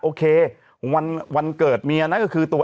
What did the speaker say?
โอเควันเกิดเมียนะ